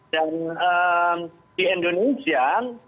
dan di indonesia